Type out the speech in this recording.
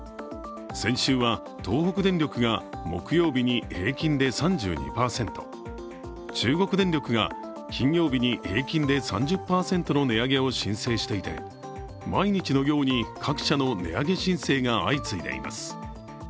先週は東北電力が木曜日に平均で３２％、中国電力が金曜日に平均で３０％の値上げを申請していて毎日のように各社の値上げ申請が相次いでいます。